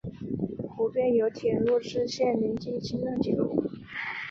湖边有铁路支线连接青藏铁路。